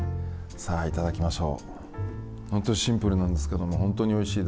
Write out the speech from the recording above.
さあ、いただきましょう。